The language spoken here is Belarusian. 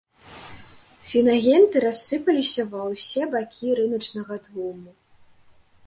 Фінагенты рассыпаліся ва ўсе бакі рыначнага тлуму.